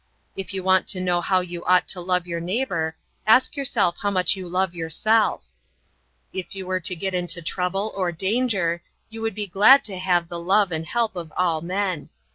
If you want to know how you ought to love your neighbor, ask yourself how much you love yourself. If you were to get into trouble or danger, you would be glad to have the love and help of all men.